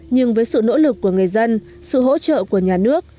nhưng với sự nỗ lực của người dân sự hỗ trợ của nhà nước